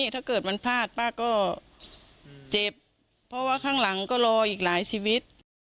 ถ้าเกิดมันพลาดป้าก็เจ็บเพราะว่าข้างหลังก็รออีกหลายชีวิต